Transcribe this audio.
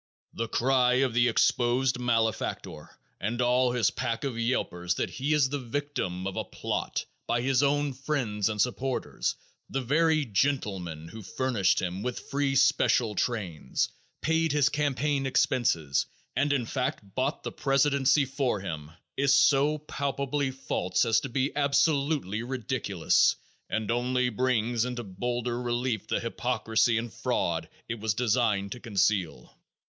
The cry of the exposed malefactor and all his pack of yelpers that he is the victim of a "plot" by his own friends and supporters, the very gentlemen who furnished him with free special trains, paid his campaign expenses and in fact bought the presidency for him, is so palpably false as to be absolutely ridiculous and only brings into bolder relief the hypocrisy and fraud it was designed to conceal.